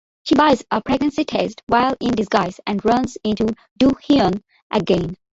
She buys a pregnancy test while in disguise, and runs into Do-hyun again.